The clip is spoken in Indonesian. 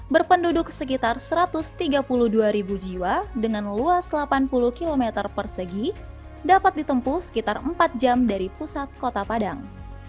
berpenduduk sekitar satu ratus tiga puluh dua ribu jiwa dengan luas delapan puluh km persegi dapat ditempuh sekitar empat jam dari pusat kota padang